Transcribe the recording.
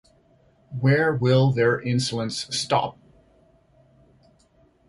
Where will their insolence stop?